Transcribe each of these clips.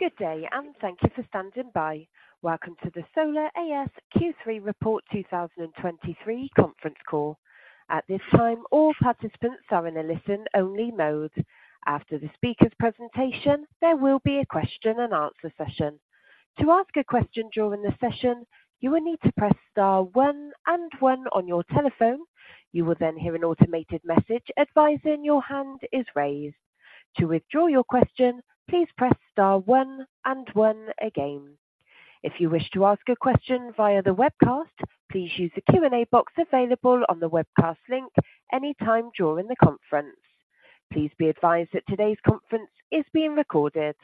Good day, and thank you for standing by. Welcome to the Solar A/S Q3 Report 2023 conference call. At this time, all participants are in a listen-only mode. After the speaker's presentation, there will be a question and answer session. To ask a question during the session, you will need to press star one and one on your telephone. You will then hear an automated message advising your hand is raised. To withdraw your question, please press star one and one again. If you wish to ask a question via the webcast, please use the Q&A box available on the webcast link any time during the conference. Please be advised that today's conference is being recorded.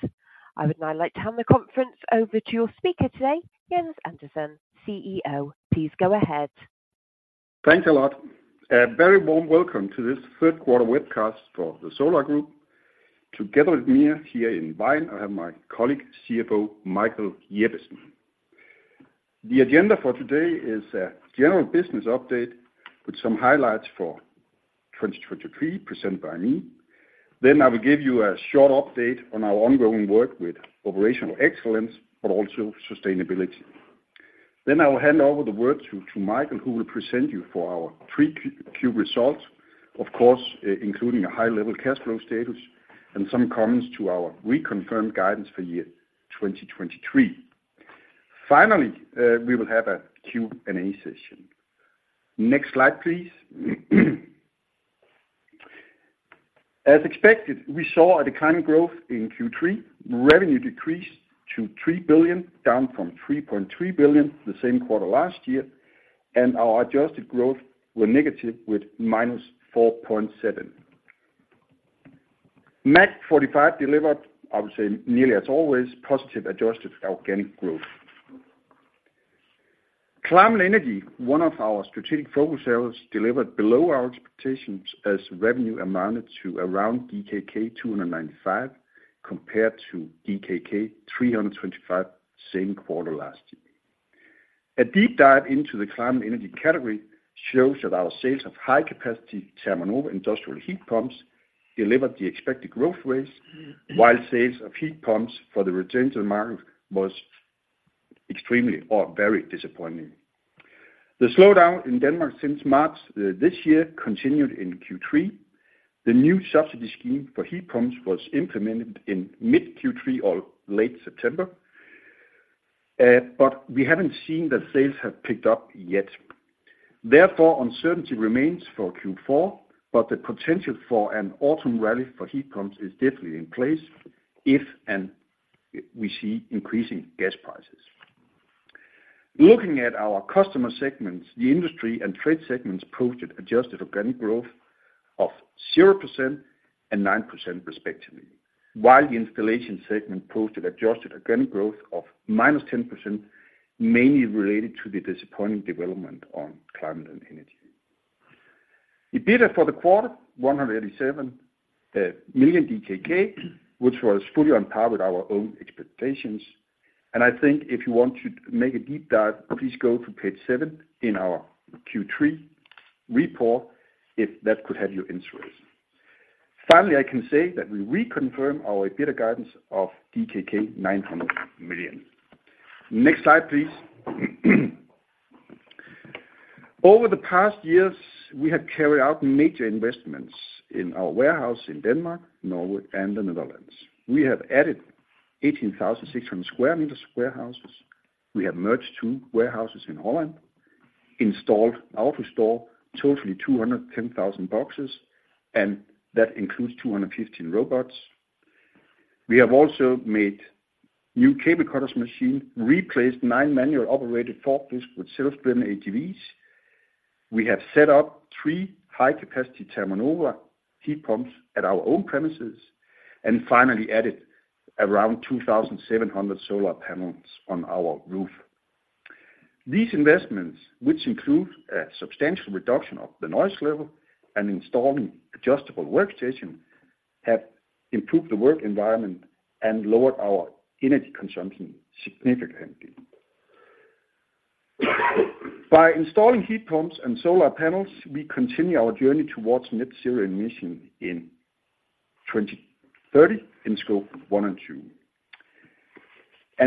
I would now like to hand the conference over to your speaker today, Jens Andersen, CEO. Please go ahead. Thanks a lot. A very warm welcome to this third quarter webcast for the Solar Group. Together with me here in Vejen, I have my colleague, CFO, Michael Jeppesen. The agenda for today is a general business update with some highlights for 2023, presented by me. Then I will give you a short update on our ongoing work with operational excellence, but also sustainability. Then I will hand over the word to Michael, who will present you for our pre-3Q results, of course, including a high-level cash flow status and some comments to our reconfirmed guidance for year 2023. Finally, we will have a Q&A session. Next slide, please. As expected, we saw a decline in growth in Q3. Revenue decreased to 3 billion, down from 3.3 billion the same quarter last year, and our adjusted growth were negative, with -4.7%. MAG45 delivered, I would say, nearly as always, positive adjusted organic growth. Climate energy, one of our strategic focus areas, delivered below our expectations as revenue amounted to around DKK 295 million, compared to DKK 325 million, same quarter last year. A deep dive into the climate energy category shows that our sales of high-capacity ThermoNova industrial heat pumps delivered the expected growth rates, while sales of heat pumps for the retail market was extremely or very disappointing. The slowdown in Denmark since March this year continued in Q3. The new subsidy scheme for heat pumps was implemented in mid-Q3 or late September, but we haven't seen that sales have picked up yet. Therefore, uncertainty remains for Q4, but the potential for an autumn rally for heat pumps is definitely in place if, and we see increasing gas prices. Looking at our customer segments, the industry and trade segments posted adjusted organic growth of 0% and 9% respectively, while the installation segment posted adjusted organic growth of -10%, mainly related to the disappointing development on climate and energy. EBITDA for the quarter, 187 million DKK, which was fully on par with our own expectations, and I think if you want to make a deep dive, please go to page seven in our Q3 report, if that could have your interest. Finally, I can say that we reconfirm our EBITDA guidance of DKK 900 million. Next slide, please. Over the past years, we have carried out major investments in our warehouse in Denmark, Norway and the Netherlands. We have added 18,600 square meters warehouse. We have merged two warehouses in Holland, installed AutoStore, totally 210,000 boxes, and that includes 215 robots. We have also made new cable cutters machine, replaced nine manual-operated forklifts with self-driven AGVs. We have set up three high-capacity ThermoNova heat pumps at our own premises, and finally added around 2,700 solar panels on our roof. These investments, which include a substantial reduction of the noise level and installing adjustable workstation, have improved the work environment and lowered our energy consumption significantly. By installing heat pumps and solar panels, we continue our journey towards net zero emission in 2030, in Scope 1 and 2.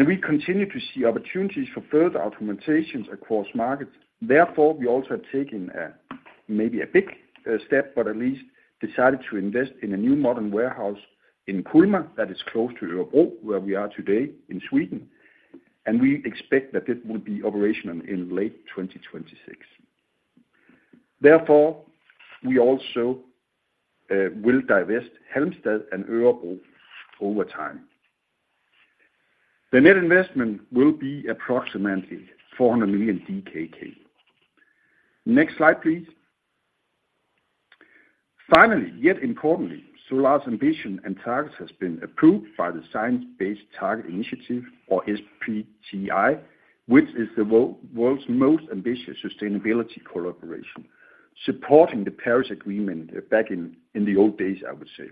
We continue to see opportunities for further automatizations across markets. Therefore, we also have taken a, maybe a big, step, but at least decided to invest in a new modern warehouse in Kumla, that is close to Örebro, where we are today in Sweden, and we expect that it will be operational in late 2026. Therefore, we also, will divest Halmstad and Örebro over time. The net investment will be approximately 400 million DKK. Next slide, please. Finally, yet importantly, Solar's ambition and targets has been approved by the Science Based Targets initiative, or SBTi, which is the world's most ambitious sustainability collaboration, supporting the Paris Agreement back in, in the old days, I would say.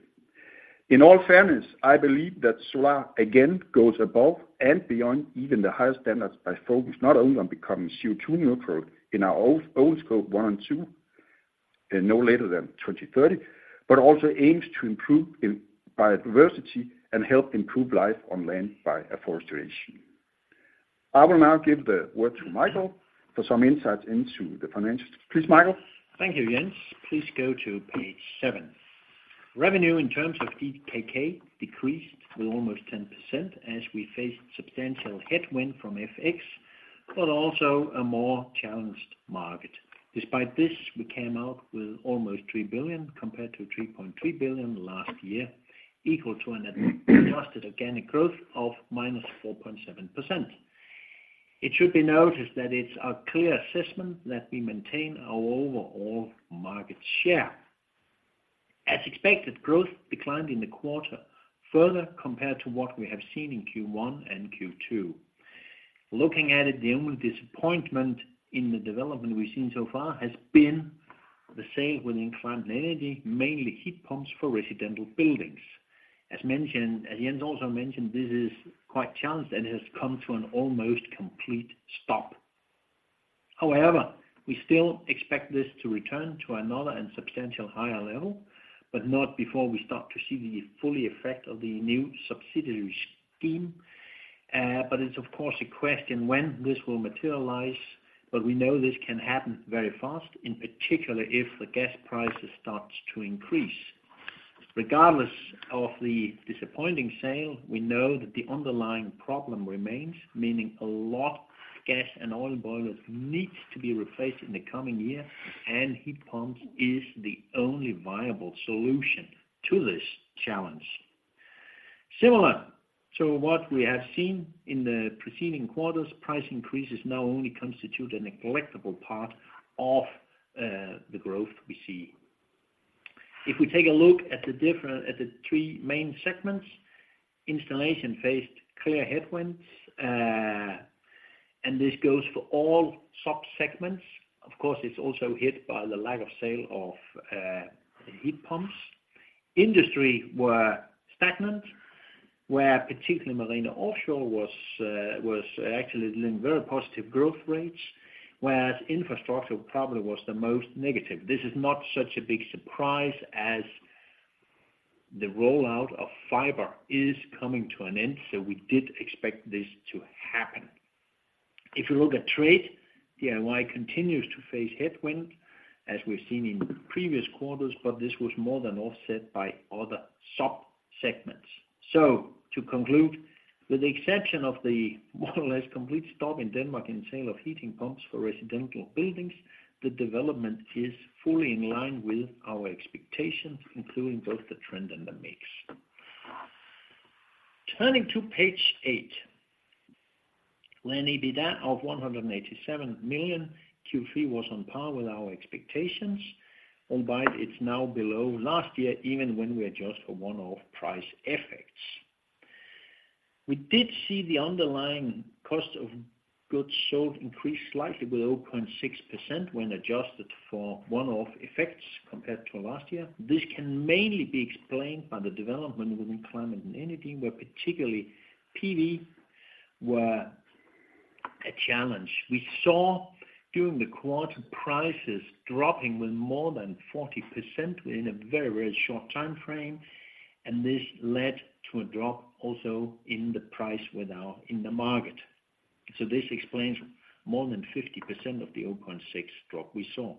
In all fairness, I believe that Solar again goes above and beyond even the highest standards by focusing, not only on becoming CO2 neutral in our own Scope one and two—and no later than 2030—but also aims to improve in biodiversity and help improve life on land by afforestation. I will now give the word to Michael for some insights into the financials. Please, Michael. Thank you, Jens. Please go to page seven. Revenue in terms of DKK decreased with almost 10% as we faced substantial headwind from FX, but also a more challenged market. Despite this, we came out with almost 3 billion, compared to 3.3 billion last year, equal to an adjusted organic growth of -4.7%. It should be noticed that it's our clear assessment that we maintain our overall market share. As expected, growth declined in the quarter further compared to what we have seen in Q1 and Q2. Looking at it, the only disappointment in the development we've seen so far has been the same within climate and energy, mainly heat pumps for residential buildings. As mentioned, as Jens also mentioned, this is quite challenged and has come to an almost complete stop. However, we still expect this to return to another and substantial higher level, but not before we start to see the full effect of the new subsidy scheme. But it's of course a question when this will materialize, but we know this can happen very fast, in particular, if the gas prices starts to increase. Regardless of the disappointing sales, we know that the underlying problem remains, meaning a lot of gas and oil boilers needs to be replaced in the coming years, and heat pumps is the only viable solution to this challenge. Similar to what we have seen in the preceding quarters, price increases now only constitute a negligible part of, the growth we see. If we take a look at the different, at the three main segments, installation faced clear headwinds, and this goes for all sub-segments. Of course, it's also hit by the lack of sale of heat pumps. Industry were stagnant, where particularly marine and offshore was, was actually doing very positive growth rates, whereas infrastructure probably was the most negative. This is not such a big surprise as the rollout of fiber is coming to an end, so we did expect this to happen. If you look at trade, DIY continues to face headwind, as we've seen in previous quarters, but this was more than offset by other sub-segments. So to conclude, with the exception of the more or less complete stop in Denmark in sale of heating pumps for residential buildings, the development is fully in line with our expectations, including both the trend and the mix. Turning to page eight, when EBITDA of 187 million, Q3 was on par with our expectations, albeit it's now below last year, even when we adjust for one-off price effects. We did see the underlying cost of goods sold increased slightly with 0.6% when adjusted for one-off effects compared to last year. This can mainly be explained by the development within climate and energy, where particularly PV were a challenge. We saw during the quarter prices dropping with more than 40% within a very, very short time frame, and this led to a drop also in the price with our, in the market. So this explains more than 50% of the 0.6 drop we saw.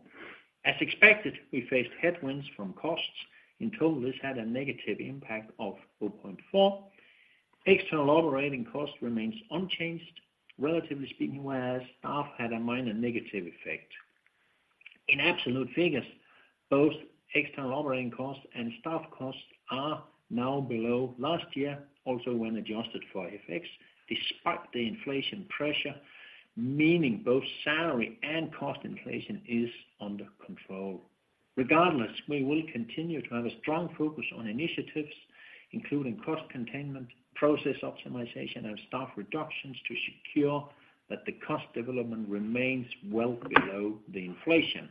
As expected, we faced headwinds from costs. In total, this had a negative impact of 0.4. External operating costs remains unchanged, relatively speaking, whereas staff had a minor negative effect. In absolute figures, both external operating costs and staff costs are now below last year, also when adjusted for effects, despite the inflation pressure, meaning both salary and cost inflation is under control. Regardless, we will continue to have a strong focus on initiatives, including cost containment, process optimization, and staff reductions to secure that the cost development remains well below the inflation.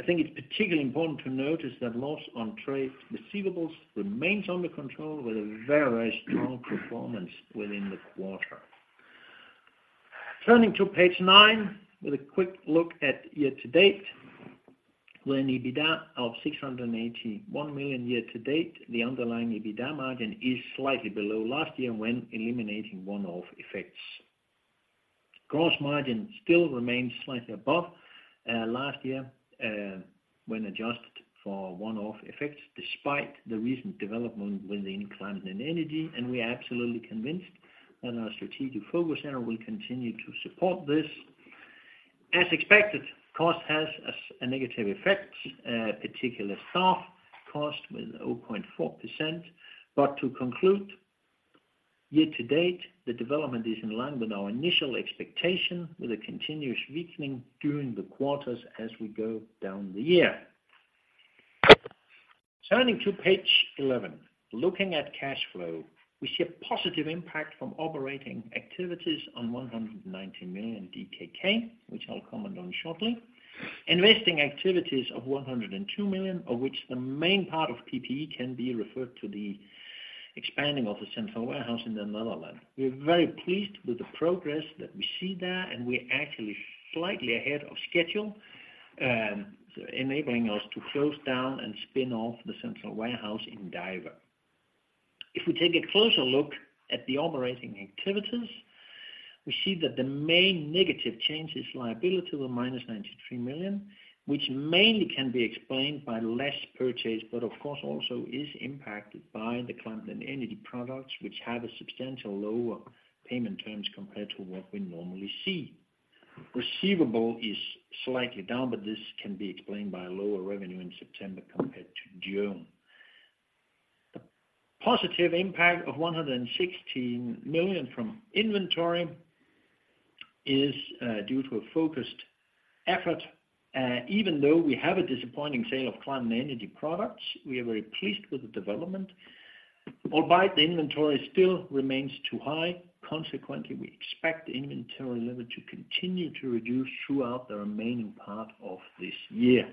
I think it's particularly important to notice that loss on trade receivables remains under control with a very strong performance within the quarter. Turning to page nine, with a quick look at year-to-date, when EBITDA of 681 million year-to-date, the underlying EBITDA margin is slightly below last year when eliminating one-off effects. Gross margin still remains slightly above last year, when adjusted for one-off effects, despite the recent development within climate and energy, and we are absolutely convinced that our strategic focus area will continue to support this. As expected, cost has a negative effect, particular staff cost with 0.4%. But to conclude, year-to-date, the development is in line with our initial expectation, with a continuous weakening during the quarters as we go down the year. Turning to page 11, looking at cash flow, we see a positive impact from operating activities on 190 million DKK, which I'll comment on shortly. Investing activities of 102 million DKK, of which the main part of PPE can be referred to the expanding of the central warehouse in the Netherlands. We are very pleased with the progress that we see there, and we're actually slightly ahead of schedule, enabling us to close down and spin off the central warehouse in Duiven. If we take a closer look at the operating activities, we see that the main negative change is liability of -93 million, which mainly can be explained by less purchase, but of course also is impacted by the climate and energy products, which have a substantial lower payment terms compared to what we normally see. Receivable is slightly down, but this can be explained by lower revenue in September compared to June. The positive impact of 116 million from inventory is due to a focused effort. Even though we have a disappointing sale of climate and energy products, we are very pleased with the development. Although the inventory still remains too high, consequently, we expect the inventory level to continue to reduce throughout the remaining part of this year.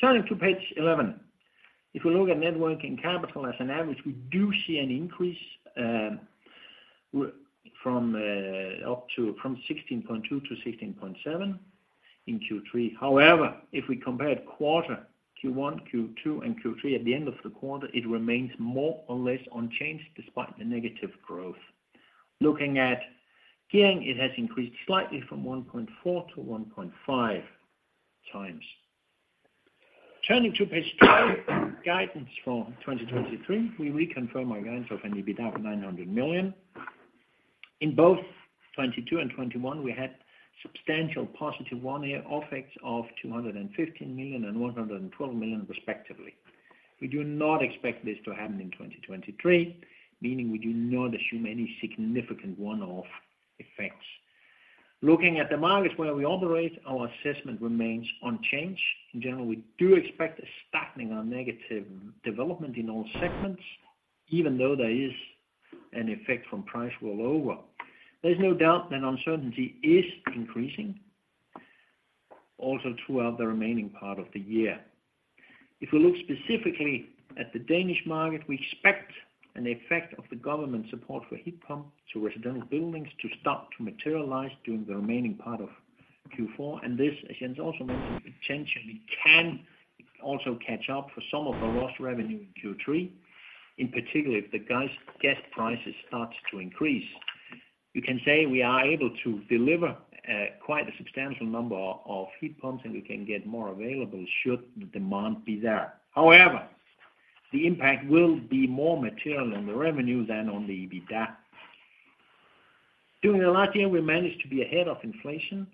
Turning to page 11. If we look at net working capital as an average, we do see an increase from 16.2 to 16.7 in Q3. However, if we compare it quarter, Q1, Q2, and Q3, at the end of the quarter, it remains more or less unchanged despite the negative growth. Looking at gearing, it has increased slightly from 1.4 to 1.5 times. Turning to page 12, guidance for 2023, we reconfirm our guidance of an EBITDA of 900 million. In both 2022 and 2021, we had substantial positive one-year effects of 215 million and 112 million respectively. We do not expect this to happen in 2023, meaning we do not assume any significant one-off effects. Looking at the markets where we operate, our assessment remains unchanged. In general, we do expect a softening on negative development in all segments, even though there is an effect from price roll over. There's no doubt that uncertainty is increasing, also throughout the remaining part of the year. If we look specifically at the Danish market, we expect an effect of the government support for heat pump to residential buildings to start to materialize during the remaining part of Q4, and this, as Jens also mentioned, potentially can also catch up for some of the lost revenue in Q3. In particular, if the gas prices starts to increase. You can say we are able to deliver, quite a substantial number of heat pumps, and we can get more available should the demand be there. However, the impact will be more material on the revenue than on the EBITDA. During the last year, we managed to be ahead of inflation,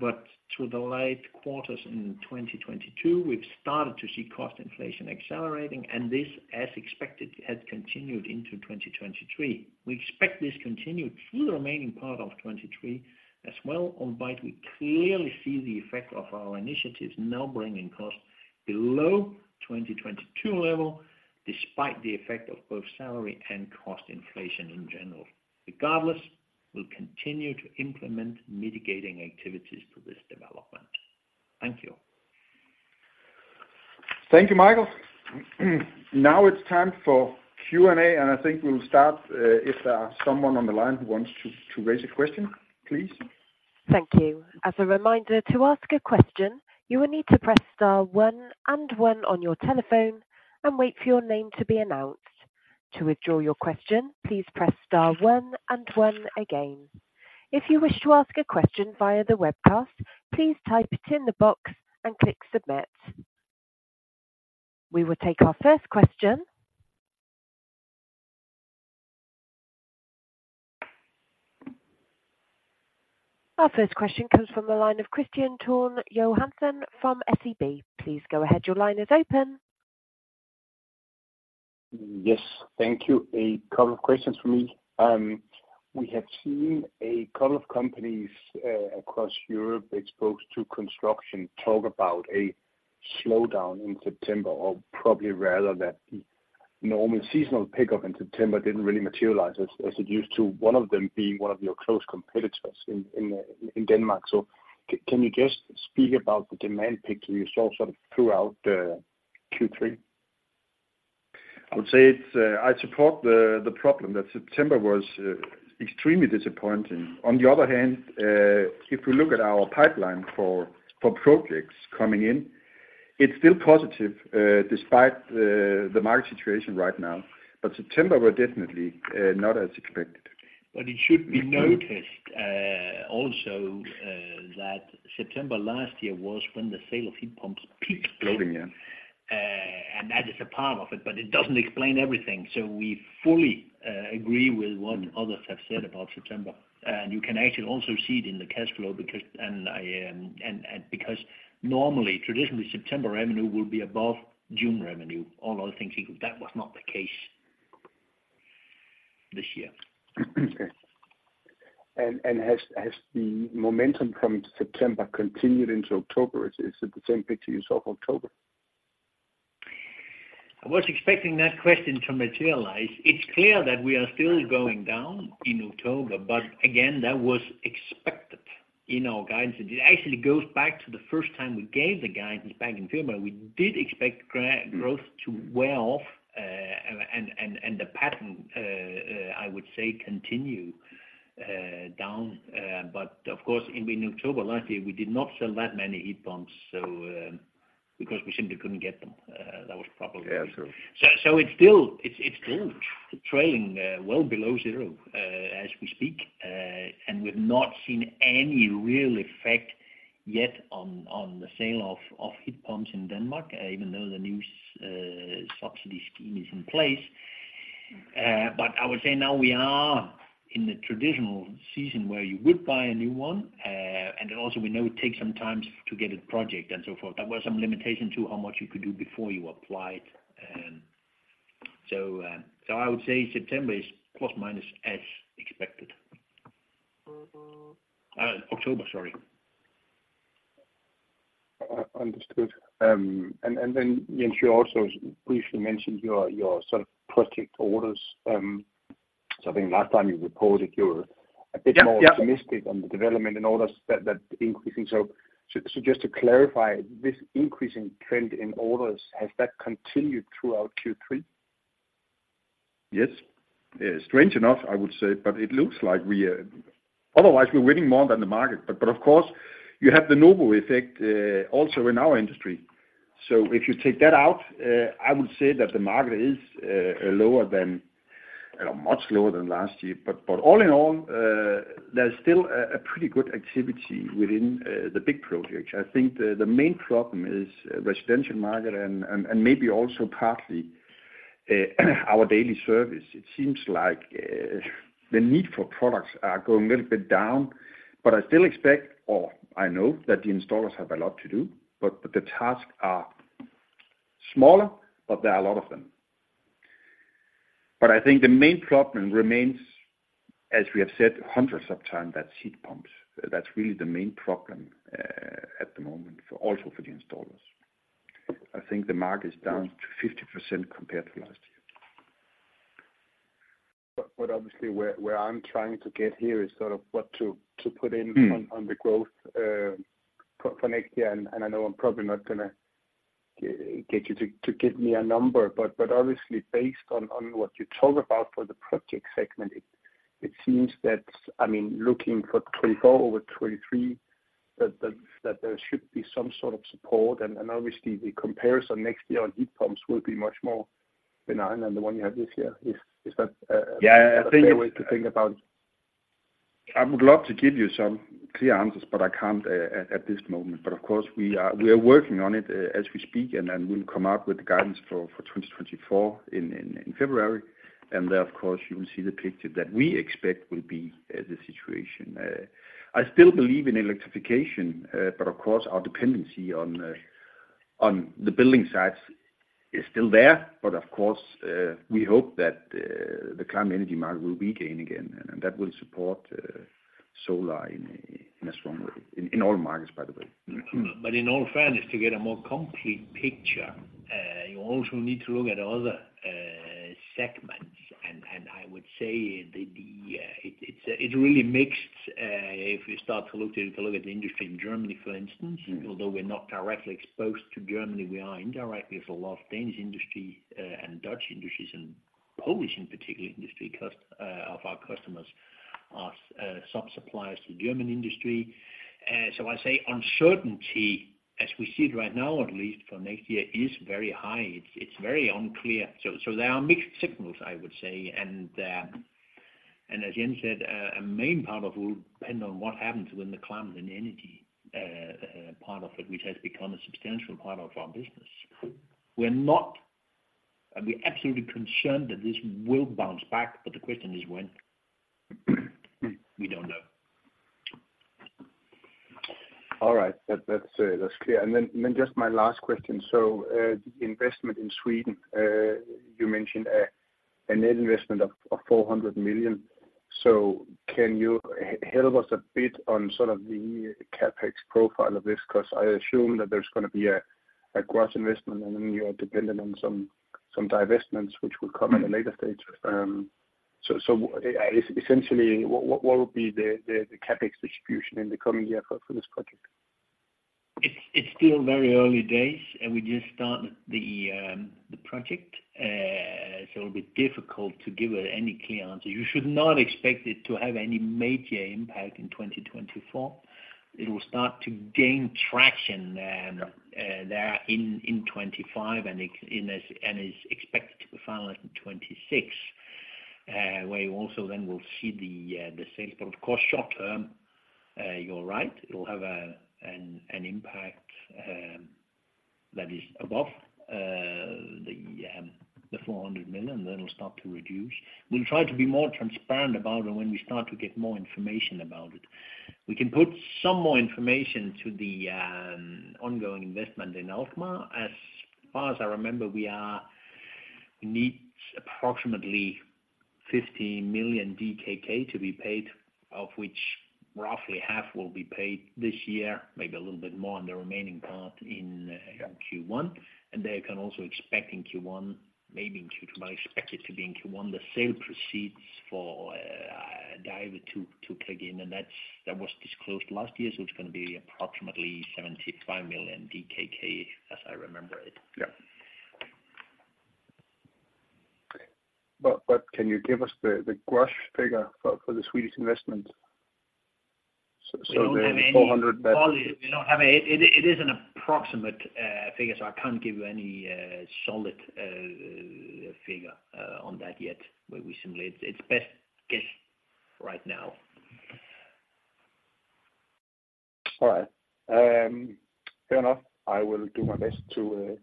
but through the late quarters in 2022, we've started to see cost inflation accelerating, and this, as expected, has continued into 2023. We expect this continued through the remaining part of 2023 as well, although we clearly see the effect of our initiatives now bringing costs below 2022 level, despite the effect of both salary and cost inflation in general. Regardless, we'll continue to implement mitigating activities to this development. Thank you. Thank you, Michael. Now it's time for Q&A, and I think we'll start if there are someone on the line who wants to raise a question, please. Thank you. As a reminder, to ask a question, you will need to press star one and one on your telephone and wait for your name to be announced. To withdraw your question, please press star one and one again. If you wish to ask a question via the webcast, please type it in the box and click submit. We will take our first question. Our first question comes from the line of Kristian Tornøe Johansen from SEB. Please go ahead. Your line is open. Yes, thank you. A couple of questions for me. We have seen a couple of companies across Europe exposed to construction talk about a slowdown in September, or probably rather that the normal seasonal pickup in September didn't really materialize as it used to. One of them being one of your close competitors in Denmark. So can you just speak about the demand picture you saw sort of throughout the Q3? I would say it's, I support the problem, that September was extremely disappointing. On the other hand, if you look at our pipeline for projects coming in, it's still positive, despite the market situation right now. But September was definitely not as expected. It should be noticed, also, that September last year was when the sale of heat pumps peaked. Exploding, yeah. And that is a part of it, but it doesn't explain everything. So we fully agree with what others have said about September, and you can actually also see it in the cash flow, because... And I, because normally, traditionally, September revenue will be above June revenue, all other things equal. That was not the case this year. Okay. And has the momentum from September continued into October? Is it the same picture you saw of October? I was expecting that question to materialize. It's clear that we are still going down in October, but again, that was expected... in our guidance, it actually goes back to the first time we gave the guidance back in February. We did expect growth to wear off, and the pattern, I would say, continue down. But of course, in October last year, we did not sell that many heat pumps, so, because we simply couldn't get them. That was the problem. Yeah, true. So it's still trailing well below zero as we speak. And we've not seen any real effect yet on the sale of heat pumps in Denmark, even though the new subsidy scheme is in place. But I would say now we are in the traditional season where you would buy a new one. And also we know it takes some time to get a project and so forth. There were some limitations to how much you could do before you applied. And so I would say September is plus minus, as expected. October, sorry. Understood. And then, Jens, you also briefly mentioned your sort of project orders. So, I think last time you reported you were a bit more- Yeah, yeah. Optimistic on the development and orders that increasing. So, just to clarify, this increasing trend in orders, has that continued throughout Q3? Yes. Strange enough, I would say, but it looks like we... Otherwise, we're winning more than the market. But, but of course, you have the Novo effect, also in our industry. So if you take that out, I would say that the market is, lower than, much lower than last year. But, but all in all, there's still a, a pretty good activity within, the big projects. I think the, the main problem is residential market and, and, and maybe also partly, our daily service. It seems like, the need for products are going a little bit down, but I still expect, or I know that the installers have a lot to do, but the tasks are smaller, but there are a lot of them. But I think the main problem remains, as we have said hundreds of times, that's heat pumps. That's really the main problem at the moment for also for the installers. I think the market is down to 50% compared to last year. Obviously, where I'm trying to get here is sort of what to put in- Mm. on the growth for next year. And I know I'm probably not gonna get you to give me a number, but obviously, based on what you talk about for the project segment, it seems that, I mean, looking for 2024 over 2023, that there should be some sort of support. And obviously, the comparison next year on heat pumps will be much more benign than the one you have this year. Is that- Yeah, I think- A fair way to think about it? I would love to give you some clear answers, but I can't at this moment. But of course, we are working on it as we speak, and then we'll come up with the guidance for 2024 in February. And there, of course, you will see the picture that we expect will be the situation. I still believe in electrification, but of course, our dependency on the building sites is still there. But of course, we hope that the climate energy market will regain again, and that will support Solar in a strong way, in all markets, by the way. But in all fairness, to get a more complete picture, you also need to look at other segments, and I would say that it's really mixed if you start to look at the industry in Germany, for instance. Mm. Although we're not directly exposed to Germany, we are indirectly. There's a lot of Danish industry, and Dutch industries, and Polish, in particular, industry customers of our customers are sub-suppliers to German industry. So I say uncertainty, as we see it right now, at least for next year, is very high. It's very unclear. So there are mixed signals, I would say. And as Jens said, a main part of it will depend on what happens with the climate and energy part of it, which has become a substantial part of our business. We're not... We're absolutely concerned that this will bounce back, but the question is when? We don't know. All right. That's clear. And then just my last question: so, the investment in Sweden, you mentioned, an investment of 400 million. So can you help us a bit on sort of the CapEx profile of this? Because I assume that there's gonna be a gross investment, and then you are dependent on some divestments, which will come at a later stage. So, essentially, what would be the CapEx distribution in the coming year for this project? It's still very early days, and we just started the project. So it'll be difficult to give any clear answer. You should not expect it to have any major impact in 2024. It will start to gain traction there in 2025 and is expected to be finalized in 2026, where you also then will see the sales. But of course, short term, you're right, it will have an impact that is above 400 million, then it'll start to reduce. We'll try to be more transparent about it when we start to get more information about it. We can put some more information to the ongoing investment in Alkmaar. As far as I remember, we need approximately 50 million DKK to be paid, of which roughly half will be paid this year, maybe a little bit more on the remaining part in Q1. And they can also expect in Q1, maybe in Q2, but I expect it to be in Q1, the sale proceeds for Duiven to plug in, and that's, that was disclosed last year, so it's gonna be approximately 75 million DKK, as I remember it. Yeah. But can you give us the gross figure for the Swedish investment? So the 400- We don't have a... It is an approximate figure, so I can't give you any solid figure on that yet, where we simulate. It's best guess right now. All right. Fair enough. I will do my best to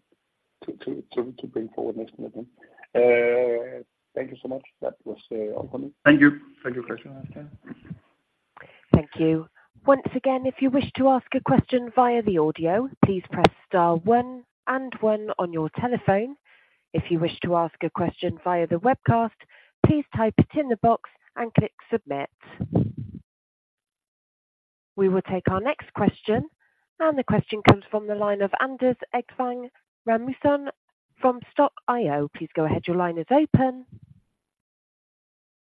bring forward next meeting. Thank you so much. That was all for me. Thank you. Thank you, Kristian. Thank you. Once again, if you wish to ask a question via the audio, please press star one and one on your telephone. If you wish to ask a question via the webcast, please type it in the box and click Submit. We will take our next question, and the question comes from the line of Anders Egsvang Rasmussen from Stokk.io. Please go ahead. Your line is open.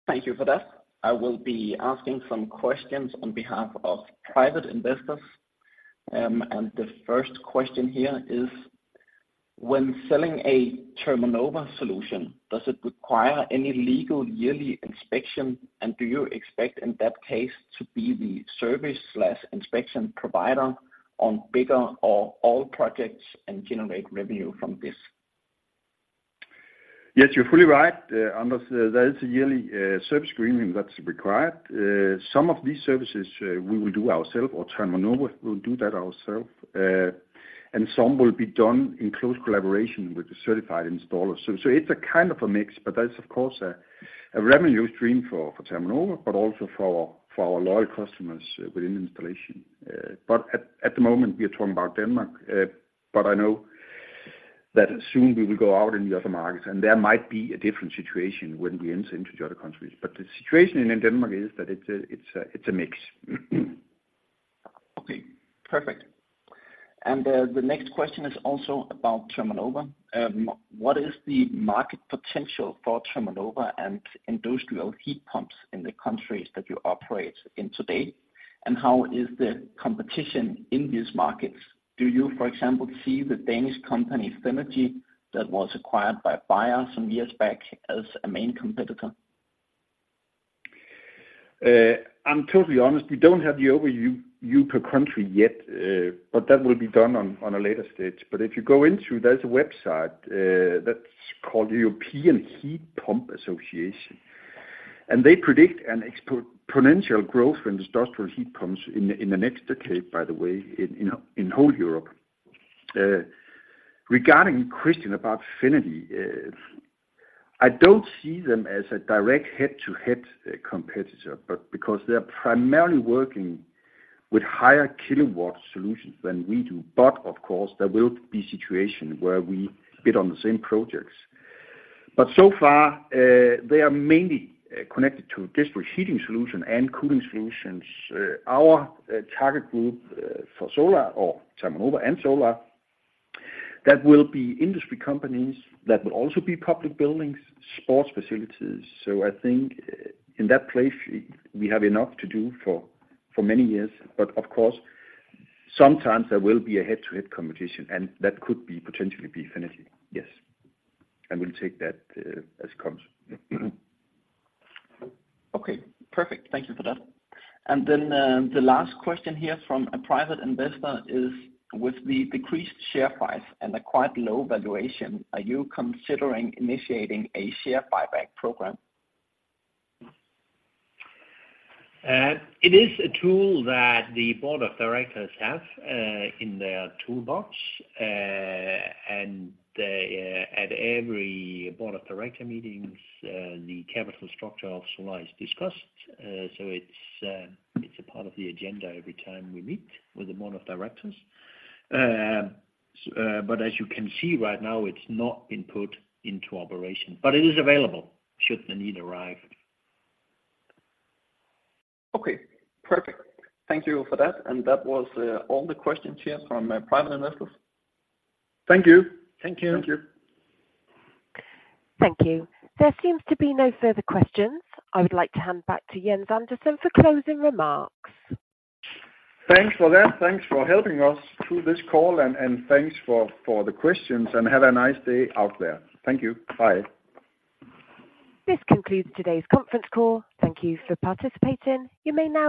Thank you for that. I will be asking some questions on behalf of private investors, and the first question here is: When selling a ThermoNova solution, does it require any legal yearly inspection, and do you expect, in that case, to be the service/inspection provider on bigger or all projects and generate revenue from this? Yes, you're fully right, Anders. There is a yearly service agreement that's required. Some of these services, we will do ourselves, or ThermoNova will do that ourselves, and some will be done in close collaboration with the certified installers. So it's a kind of a mix, but that's of course a revenue stream for ThermoNova, but also for our loyal customers within installation. But at the moment, we are talking about Denmark, but I know that soon we will go out in the other markets, and there might be a different situation when we enter into the other countries. But the situation in Denmark is that it's a mix. Okay, perfect. And, the next question is also about ThermoNova. What is the market potential for ThermoNova and industrial heat pumps in the countries that you operate in today, and how is the competition in these markets? Do you, for example, see the Danish company, Fenagy, that was acquired by Beijer Ref some years back, as a main competitor? I'm totally honest, we don't have the overview per country yet, but that will be done on a later stage. But if you go into... There's a website that's called European Heat Pump Association, and they predict an exponential growth in industrial heat pumps in the next decade, by the way, in whole Europe. Regarding question about Fenagy, I don't see them as a direct head-to-head competitor, but because they're primarily working with higher kilowatt solutions than we do, but of course, there will be situations where we bid on the same projects. But so far, they are mainly connected to district heating solution and cooling solutions. Our target group for Solar or ThermoNova and Solar, that will be industry companies, that will also be public buildings, sports facilities. So I think in that place, we have enough to do for many years. But of course, sometimes there will be a head-to-head competition, and that could potentially be Fenagy. Yes, and we'll take that as comes. Okay, perfect. Thank you for that. And then, the last question here from a private investor is: With the decreased share price and a quite low valuation, are you considering initiating a share buyback program? It is a tool that the board of directors have in their toolbox. At every board of director meetings, the capital structure of Solar is discussed. It's a part of the agenda every time we meet with the board of directors. But as you can see right now, it's not been put into operation, but it is available should the need arrive. Okay, perfect. Thank you for that, and that was all the questions here from our private investors. Thank you. Thank you. Thank you. Thank you. There seems to be no further questions. I would like to hand back to Jens Andersen for closing remarks. Thanks for that. Thanks for helping us through this call, and thanks for the questions, and have a nice day out there. Thank you. Bye. This concludes today's conference call. Thank you for participating. You may now-